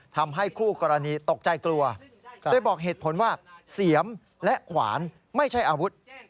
ทำให้คู่กรณีตกใจกลัวโดยบอกเหตุผลว่าเสียมและขวานไม่ใช่อาวุธ